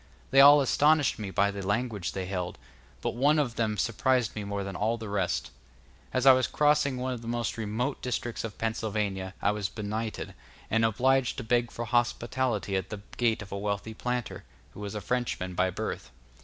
They all astonished me by the language they held, but one of them surprised me more than all the rest. As I was crossing one of the most remote districts of Pennsylvania I was benighted, and obliged to beg for hospitality at the gate of a wealthy planter, who was a Frenchman by birth.